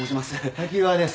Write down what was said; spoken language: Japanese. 滝川です。